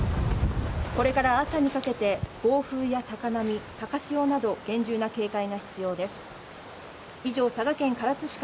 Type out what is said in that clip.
これから朝にかけて、暴風や高波高潮など厳重な警戒が必要です。